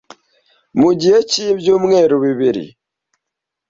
mu gihe cy'ibyumweru bibiri